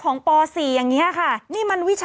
กรมป้องกันแล้วก็บรรเทาสาธารณภัยนะคะ